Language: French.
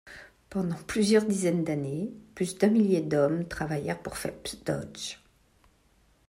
Pendant plusieurs dizaines d'années, plus d'un millier d'hommes travaillèrent pour Phelps Dodge.